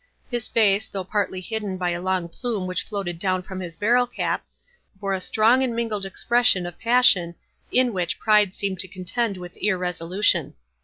His face, though partly hidden by a long plume which floated down from his barrel cap, bore a strong and mingled expression of passion, in which pride seemed to contend with irresolution.